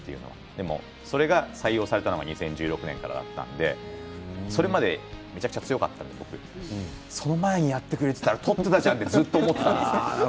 でも、それが採用されたのが２０１６年からだったのでそれまでめちゃくちゃ強かったので僕その前にやってくれていたらってずっと思っていたんです。